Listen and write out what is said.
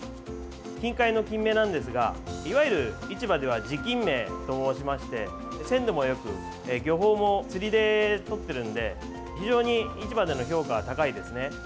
近海のキンメなんですが市場では地キンメと申しまして鮮度もよく、漁法も釣りでとっているので非常に市場での評価は高いですね。